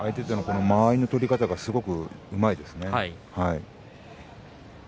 間合いの取り方がすごくうまいですね。